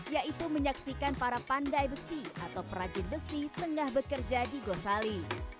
yaitu menyaksikan para pandai besi atau perajin besi tengah bekerja di gosali